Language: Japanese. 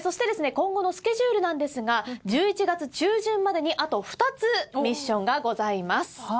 今後のスケジュールなんですが１１月中旬までにあと２つミッションがございます。